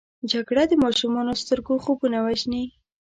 جګړه د ماشومو سترګو خوبونه وژني